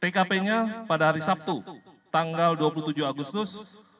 tkp nya pada hari sabtu tanggal dua puluh tujuh agustus dua ribu enam belas